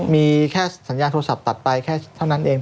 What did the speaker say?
มีแค่สัญญาณโทรศัพท์ตัดไปแค่เท่านั้นเอง